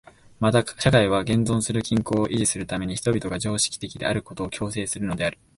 また社会は現存する均衡を維持するために人々が常識的であることを強制するのである。